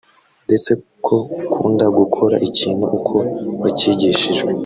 ndetse ko ukunda gukora ikintu uko wacyigishijwe